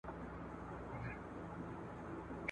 دا امکان هم سته، چي د خوب تعبيرکوونکی به خطاوتلی وي.